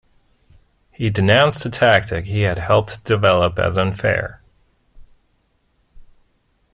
He denounced the tactic he had helped develop as unfair.